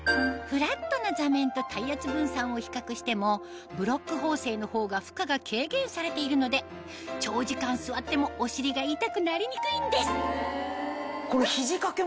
フラットな座面と体圧分散を比較してもブロック縫製のほうが負荷が軽減されているので長時間座ってもお尻が痛くなりにくいんですこれ。